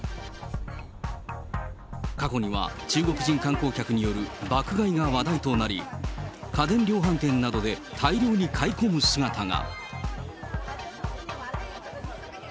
過去には、中国人観光客による爆買いが話題となり、家電量販店などで大量に買い込む姿が。